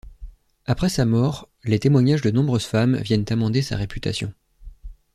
Après sa mort, les témoignages de nombreuses femmes viennent amender sa réputation.